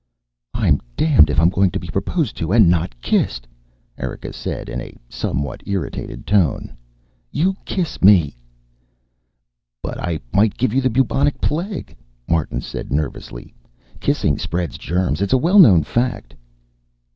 "I'm damned if I'm going to be proposed to and not kissed," Erika said in a somewhat irritated tone. "You kiss me!" "But I might give you bubonic plague," Martin said nervously. "Kissing spreads germs. It's a well known fact."